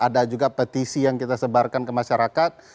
ada juga petisi yang kita sebarkan ke masyarakat